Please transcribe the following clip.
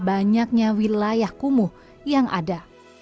banyaknya wilayah kumuh yang ada